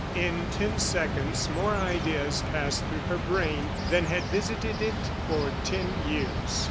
In ten seconds, more ideas passed through her brain than had visited it for ten years.